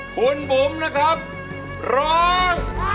คุณบุ๋มนะครับร้อง